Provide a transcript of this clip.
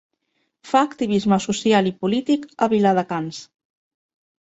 Fa activisme social i polític a Viladecans.